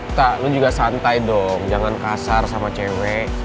ata lo juga santai dong jangan kasar sama cewek